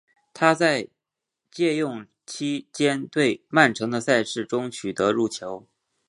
他在借用期间对曼城的赛事中取得入球。